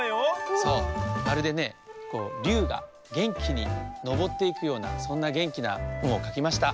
そうまるでねりゅうがげんきにのぼっていくようなそんなげんきな「ん」をかきました。